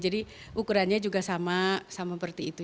jadi ukurannya juga sama seperti itu